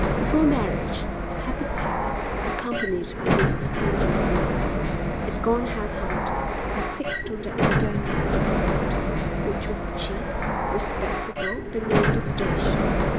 Before marriage, the happy pair, accompanied by Mrs Clinton's mother, had gone house hunting, and fixed on the Adonis Road, which was cheap, respectable and near the station.